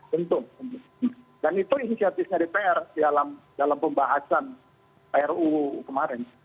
tentu dan itu inisiatifnya dpr dalam pembahasan ruu kemarin